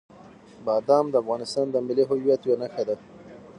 بادام د افغانستان د ملي هویت یوه نښه ده.